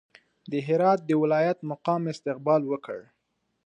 د هرات د ولایت مقام استقبال وکړ.